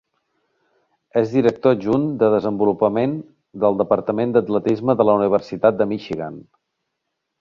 És director adjunt de desenvolupament del departament d'atletisme de la Universitat de Michigan.